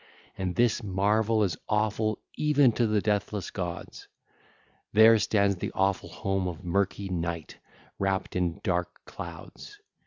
And this marvel is awful even to the deathless gods. (ll. 744 757) There stands the awful home of murky Night wrapped in dark clouds.